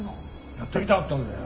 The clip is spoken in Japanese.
やってみたかったんだよ。